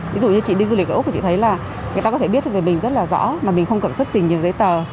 ví dụ như chị đi du lịch úc của chị thấy là người ta có thể biết về mình rất là rõ mà mình không cần xuất trình được giấy tờ